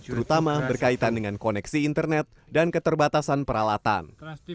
terutama berkaitan dengan koneksi internet dan keterbatasan peralatan